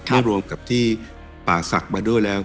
ถ้ารวมกับที่ป่าศักดิ์มาด้วยแล้ว